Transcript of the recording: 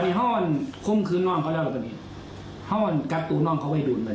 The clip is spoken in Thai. เขาโข่งเต้นไข่น้องเขาเล่าตรงนี้แกะตู้น้องเขาไว้ดูนไปเลย